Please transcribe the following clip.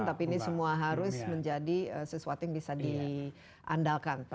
tapi ini semua harus menjadi sesuatu yang bisa diandalkan